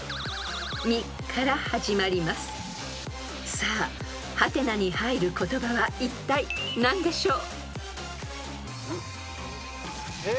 ［さあ「？」に入る言葉はいったい何でしょう？］